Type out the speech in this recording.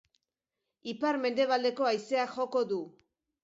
Ipar-mendebaldeko haizeak joko du.